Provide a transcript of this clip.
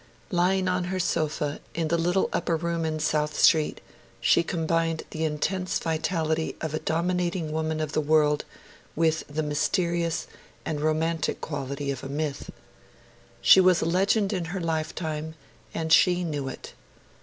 Lying on her sofa in the little upper room in South Street, she combined the intense vitality of a dominating woman of the world with the mysterious and romantic quality of a myth. She was a legend in her lifetime, and she knew it.